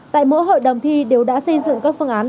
tại mỗi hội đồng thi đều đã xây dựng các phương án